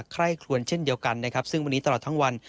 คลวนเช่นเดียวกันนะครับซึ่งวันนี้ตลอดทั้งวัน